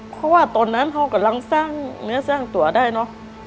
เพราะว่าตอนนั้นเขากำลังสร้างเนื้อสร้างตัวได้เนอะ